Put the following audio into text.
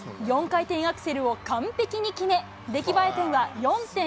４回転アクセルを完璧に決め、出来栄え点は４．１１。